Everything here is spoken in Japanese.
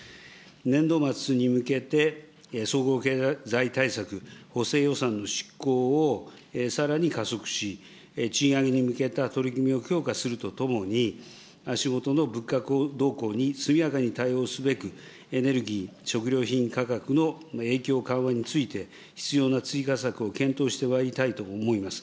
年度末に向けて総合経済対策、補正予算の執行をさらに加速し、賃上げに向けた取り組みを強化するとともに、足下の物価動向に速やかに対応すべく、エネルギー、食料品価格の影響緩和について、必要な追加策を検討してまいりたいと思います。